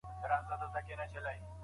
املا د ژبي بډایني لپاره فعالیت دی.